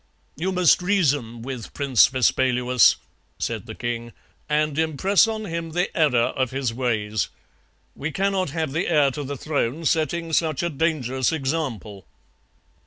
"'You must reason with Prince Vespaluus,' said the king, 'and impress on him the error of his ways. We cannot have the heir to the throne setting such a dangerous example.'